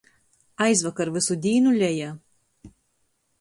Aizvakar vysu dīnu leja.